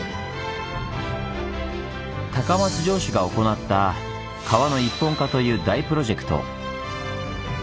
高松城主が行った「川の一本化」という大プロジェクト。